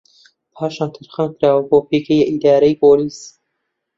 پاشان تەرخان کراوە بۆ پێگەی ئیداریی پۆلیس